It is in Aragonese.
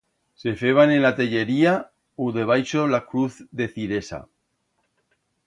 Se feban en la tellería u debaixo la cruz de Ciresa.